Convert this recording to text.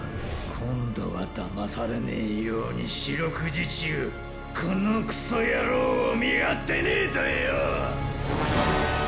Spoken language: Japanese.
今度はだまされねェーように四六時中このクソ野郎を見張ってねーとよォーッ！！